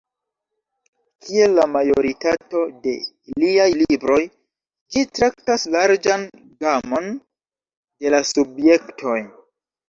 Kiel la majoritato de liaj libroj, ĝi traktas larĝan gamon da subjektoj.